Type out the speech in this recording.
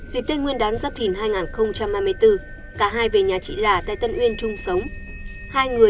dịp tên nguyên đán giáp thình hai nghìn hai mươi bốn cả hai về nhà chị là tại tân uyên chung sống